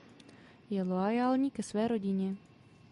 Je loajální ke své rodině.